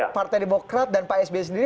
partai demokrat dan pak sby sendiri